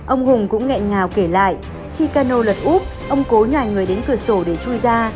ông hùng cũng nghẹn ngào kể lại khi cano lật úp ông cố nhà người đến cửa sổ để chui ra